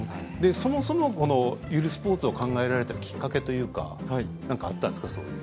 そもそもゆるスポーツを考えたきっかけは何かあったんですか？